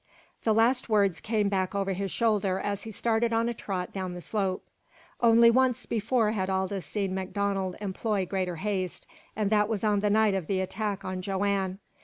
The last words came back over his shoulder as he started on a trot down the slope. Only once before had Aldous seen MacDonald employ greater haste, and that was on the night of the attack on Joanne.